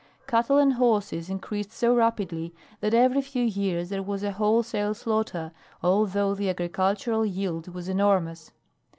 Cattle and horses increased so rapidly that every few years there was a wholesale slaughter, although the agricultural yield was enormous.